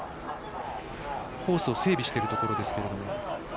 コースを整備しているところですけれども。